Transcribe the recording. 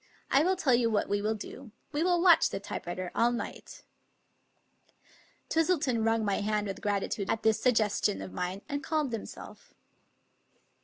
I will tell you what we will do. We will watch the typewriter all night." Twistleton wrung my hand with gratitude at this sug gestion of mine, and calmed himself.